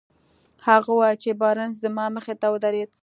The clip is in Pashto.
هغه وويل چې بارنس زما مخې ته ودرېد.